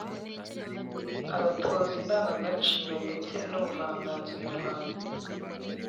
abatoza indangagaciro ndetse n’ubuvanganzo nyarwanda